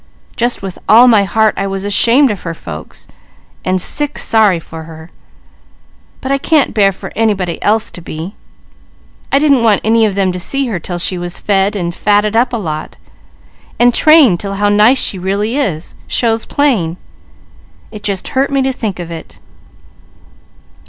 Just with all my heart I was ashamed of her folks, and sick sorry for her; but I can't bear for anybody else to be! I didn't want any of them to see her 'til she was fed, and fatted up a lot, and trained 'til how nice she really is shows plain. It just hurt me to think of it."